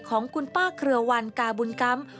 ของคุณป้าเครือวันกาบุญกรรม